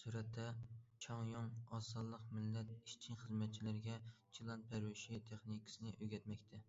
سۈرەتتە: جاڭ يۇڭ ئاز سانلىق مىللەت ئىشچى- خىزمەتچىلىرىگە چىلان پەرۋىشى تېخنىكىسىنى ئۆگەتمەكتە.